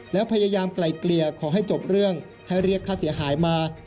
แล้วพยายามไกลเกลี่ยขอให้จบเรื่องให้เรียกค่าเสียหายมา